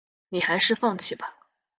你还是放弃吧